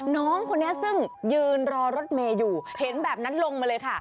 น้องคนนี้ซึ่งยืนรอรถเมย์อยู่เห็นแบบนั้นลงมาเลยค่ะ